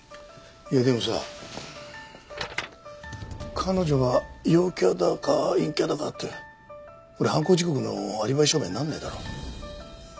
いやでもさ彼女が陽キャだか陰キャだかってこれ犯行時刻のアリバイ証明になんねえだろ。